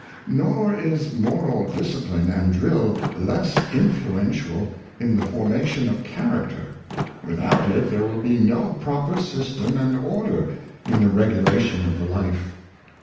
Nor is moral discipline and drill less influential in the formation of character. Without it, there will be no proper system and order in the regulation of the life.